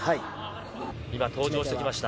登場してきました。